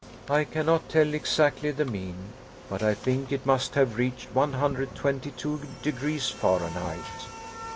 I cannot tell exactly the mean, but I think it must have reached one hundred twenty two degrees Fahrenheit.